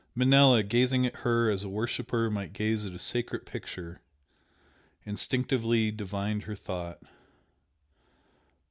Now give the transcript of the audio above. Manella, gazing at her as a worshipper might gaze at a sacred picture, instinctively divined her thought.